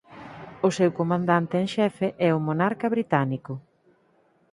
O seu Comandante en Xefe é o monarca británico.